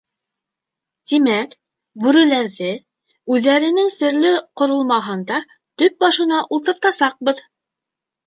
Тимәк, Бүреләрҙе, үҙҙәренең серле ҡоролмаһында төп башына ултыртасаҡбыҙ!